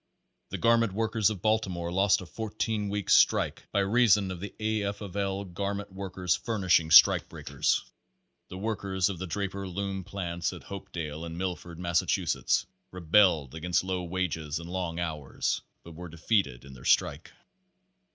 The garment workers of Baltimore lost a fourteen weeks' strike by reason of the A. F. of L. garment workers furnishing strike breakers. Page Twenty nine The workers of the Draper Loom Plants at Hope dale and Milford, Massachusetts, rebelled against low wages and long hours, but were defeated in their strike.